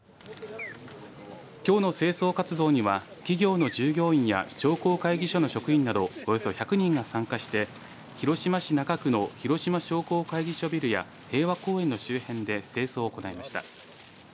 きょうの清掃活動には企業の従業員や商工会議所の職員などおよそ１００人が参加して広島市中区の広島商工会議所ビルや平和公園の周辺で清掃を行いました。